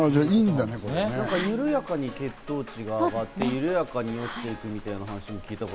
緩やかに血糖値が上がって緩やかに落ちていくみたいな感じと話を聞きました。